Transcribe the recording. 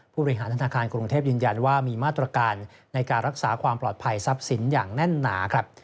บริหารธนาคารกรุงเทพยืนยันว่ามีมาตรการในการรักษาความปลอดภัยทรัพย์สินอย่างแน่นหนาครับ